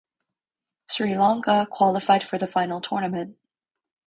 Sri Lanka qualified for the final tournament.